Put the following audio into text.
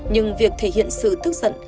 nhưng việc thể hiện sự tức giận